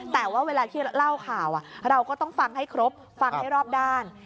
แต่ว่าเวลาที่เล่าข่าวเราก็ต้องฟังให้ครบฟังให้รอบด้าน